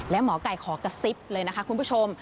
และหมอไก่ขอกระซิบเลยนะคะคุณผู้ชม